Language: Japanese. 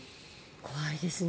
怖いですね。